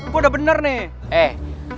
lo udah bener nih